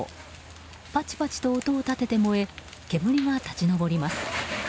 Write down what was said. パチパチと音を立てて燃え煙が立ち上ります。